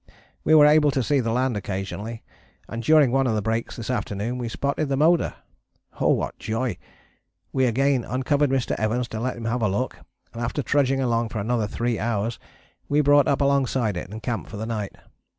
We were able to see the land occasionally, and during one of the breaks this afternoon we spotted the motor. Oh, what joy! We again uncovered Mr. Evans to let him have a look and after trudging along for another three hours we brought up alongside it and camped for the night.